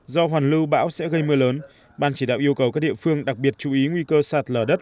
do hoàn lưu bão sẽ gây mưa lớn ban chỉ đạo yêu cầu các địa phương đặc biệt chú ý nguy cơ sạt lở đất